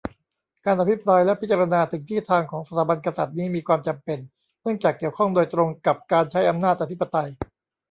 การอภิปรายและพิจารณาถึงที่ทางของสถาบันกษัตริย์นี้มีความจำเป็น เนื่องจากเกี่ยวข้องโดยตรงกับการใช้อำนาจอธิปไตย